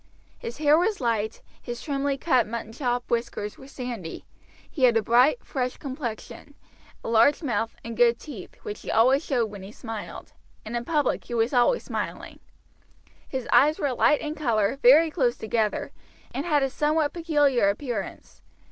His hair was light, his trimly cut muttonchop whiskers were sandy, he had a bright, fresh complexion, a large mouth, and good teeth, which he always showed when he smiled, and in public he was always smiling; his eyes were light in color, very close together, and had a somewhat peculiar appearance.